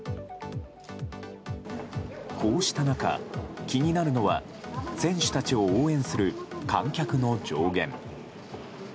こうした中、気になるのは選手たちを応援する観客の上限。